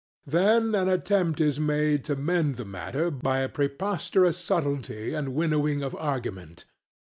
Then an attempt is made to mend the matter by a preposterous subtlety and winnowing of argument.